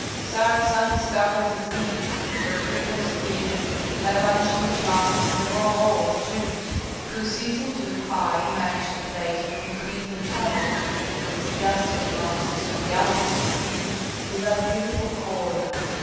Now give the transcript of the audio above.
Sarah's undiscovered disease, her frequent tears, her vanishing charms, and above all the Jews, who, ceasing to hide, managed the place with increasing tumult, disgusted Rameses to the utmost degree with that beautiful corner.